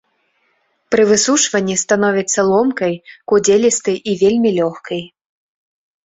Пры высушванні становіцца ломкай, кудзелістай і вельмі лёгкай.